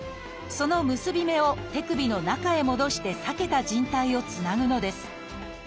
その結び目を手首の中へ戻して裂けた靭帯をつなぐのです。